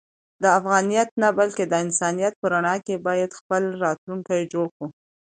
د افغانیت نه بلکې د انسانیت په رڼا کې باید خپل راتلونکی جوړ کړو.